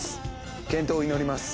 健闘を祈ります。